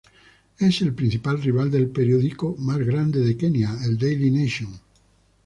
Es el principal rival del periódico más grande de Kenia, el Daily Nation.